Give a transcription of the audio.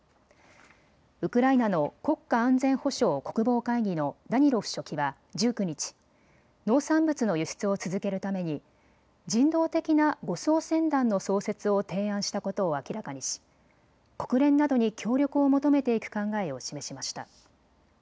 ウクライナの国家安全保障・国防会議のダニロフ書記は１９日、農産物の輸出を続けるために人道的な護送船団の創設を提案したことを明らかにし国連などに協力を求めていく考えを示しました。